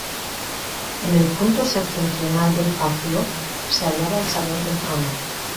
En el punto septentrional del patio se hallaba el Salón del Trono.